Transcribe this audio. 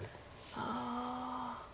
ああ。